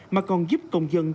mà còn giúp đỡ các công dân